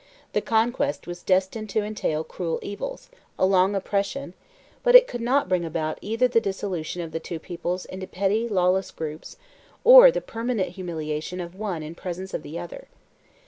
The conquest was destined to entail cruel evils, a long oppression, but it could not bring about either the dissolution of the two peoples into petty lawless groups, or the permanent humiliation of one in presence of the other.